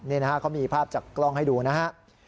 นี่นะฮะเขามีภาพจากกล้องให้ดูนะฮะ